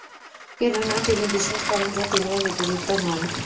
কেননা, তিনি বিশ্বাস করেন যে, তিনি এর উপযুক্ত নন।